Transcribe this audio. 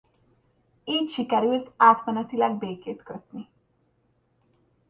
Így sikerült átmenetileg békét kötni.